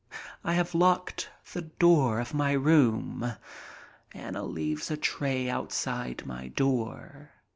I have locked the door of my room. Anna leaves a tray outside my door.